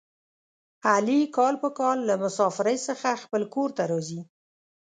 علي کال په کال له مسافرۍ څخه خپل کورته راځي.